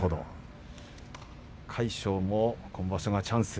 魁勝、今場所チャンス。